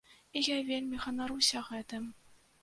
І я вельмі ганаруся гэтым.